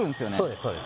そうです